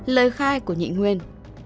sáu lời khai của nhị nguyên